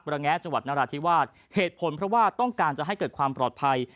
ปรงแ้จังหวัดนาราธิวัตรเหตุผลว่าต้องการให้เกิดความปลอดภัย